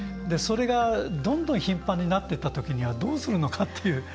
それが、どんどん頻繁になっていったときにはどうするのかという。